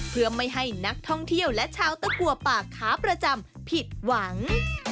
เพื่อไม่ให้นักท่องเที่ยวและชาวตะกัวป่าขาประจำผิดหวัง